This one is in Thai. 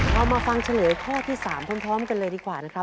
เรามาฟังเฉลยข้อที่๓พร้อมกันเลยดีกว่านะครับ